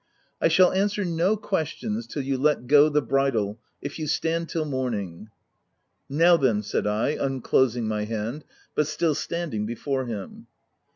" I shall answer no questions till you let go the bridle, — if you stand till morning." u Now then/' said I, unclosing my hand, but still standing before him.